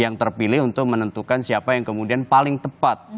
yang terpilih untuk menentukan siapa yang kemudian paling tepat